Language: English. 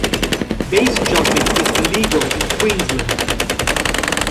Base-jumping is illegal in Queensland.